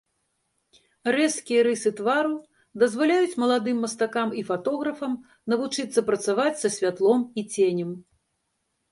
Рэзкія рысы твару дазваляюць маладым мастакам і фатографам навучыцца працаваць са святлом і ценем.